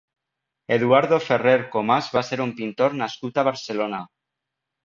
Eduardo Ferrer Comas va ser un pintor nascut a Barcelona.